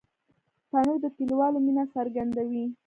تنور د کلیوالو مینه څرګندوي